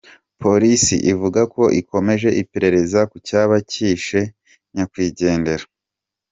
Polisi ivuga ko ikomeje iperereza ku cyaba cyishe nyakwigendera.